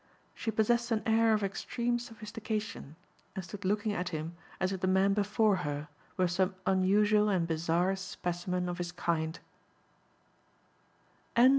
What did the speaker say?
She possessed an air of extreme sophistication and stood looking at him as if the man before her were some unusual and bizarre specimen of his kind.